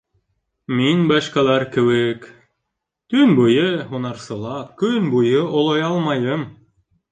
Мин башҡалар кеүек... төн буйы һунарсылап, көн буйы олой алмайым.